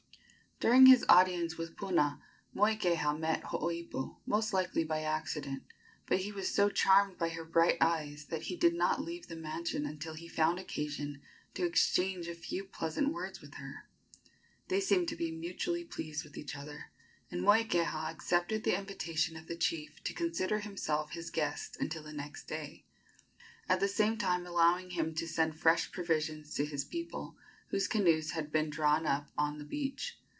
During his audience with Puna, Moikeha met Hooipo most likely by accident, but he was so charmed by her bright eyes that he did not leave the mansion until he found occasion to exchange a few pleasant words with her. They seemed to be mutually pleased with each other, and Moikeha accepted the invitation of the chief to consider himself his guest until the next day, at the same time allowing him to send fresh provisions to his people, whose canoes had been drawn up on the beach.